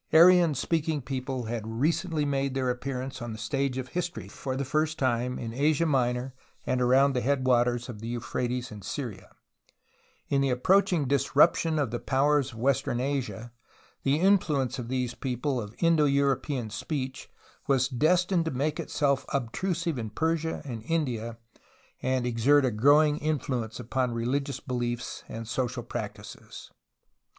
Aryan speaking people had recently made their appearance on the stage of history for the first time, in Asia Minor and around the head waters of the Euphrates in Syria, and in the approaching disruption of the powers of Western Asia, the influence of these people of Indo European speech was destined to make itself obtrusive in Persia and India and exert a growing influence upon religious beliefs and social practices.